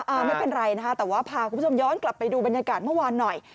ไม่เป็นไรนะคะแต่ว่าพาคุณผู้ชมย้อนกลับไปดูบรรยากาศเมื่อวานหน่อย